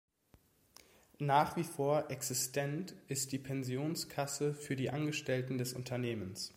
Nach wie vor existent ist die Pensionskasse für die Angestellten des Unternehmens.